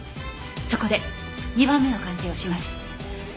そこで２番目の鑑定をします。